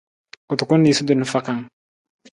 Kutukun niisutu na fakang.